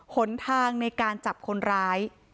หนทางในการจับคนร้าย